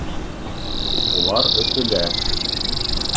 Улар Өфөлә.